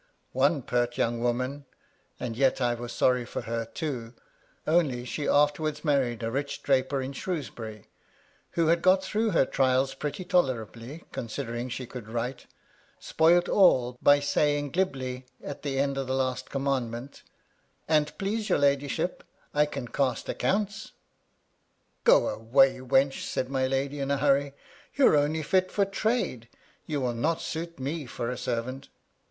One pert young woman — and yet I was sorry for her too, only she 30 MY LADY LUDLOW. afterwards married a rich draper in Shrewsbury — ^who had got through her trials pretty tolerably, consider ing she could write, spoilt all, by saying glibly, at the end of the last Commandment, An't please your lady ship, I can cast accounts." "Go away, wench," said my lady in a hurry, " You're only fit for trade ; you will not suit me for a servant."